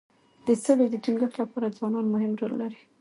د سولي د ټینګښت لپاره ځوانان مهم رول لري.